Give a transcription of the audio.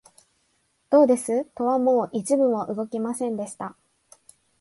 どうです、戸はもう一分も動きませんでした